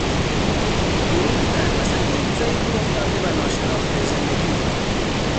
او در وسط یک جای دورافتاده و ناشناخته زندگی میکند.